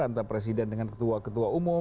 antara presiden dengan ketua ketua umum